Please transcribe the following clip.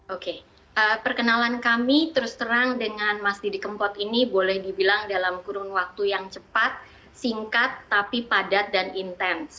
oke perkenalan kami terus terang dengan mas didi kempot ini boleh dibilang dalam kurun waktu yang cepat singkat tapi padat dan intens